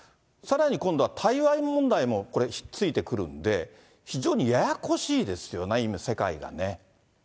さらに今度は対外問題もこれ、引っ付いてくるんで、非常にややこしいですよね、今、世界がね。